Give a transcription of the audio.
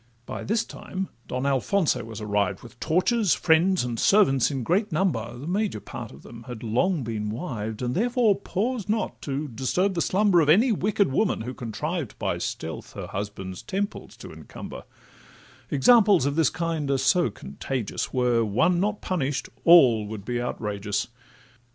By this time Don Alfonso was arrived, With torches, friends, and servants in great number; The major part of them had long been wived, And therefore paused not to disturb the slumber Of any wicked woman, who contrived By stealth her husband's temples to encumber: Examples of this kind are so contagious, Were one not punish'd, all would be outrageous.